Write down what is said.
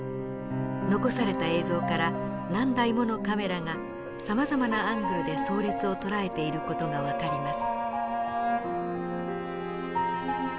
残された映像から何台ものカメラがさまざまなアングルで葬列をとらえている事が分かります。